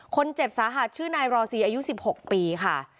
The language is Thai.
คนเจ็บสาหัสชื่อนายรอซีอายุ๑๖ปีค่ะ